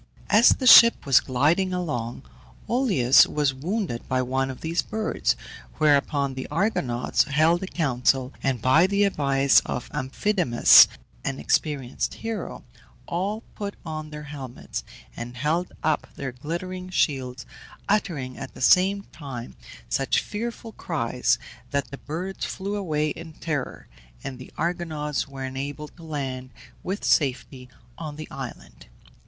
As the ship was gliding along, Oileus was wounded by one of these birds, whereupon the Argonauts held a council, and by the advice of Amphidamas, an experienced hero, all put on their helmets, and held up their glittering shields, uttering, at the same time, such fearful cries that the birds flew away in terror, and the Argonauts were enabled to land with safety on the island.